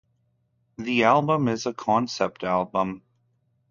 The album is a concept album.